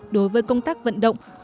đối với công tác vận động